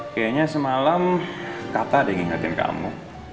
kayaknya semalam kata ada yang ingatin kamu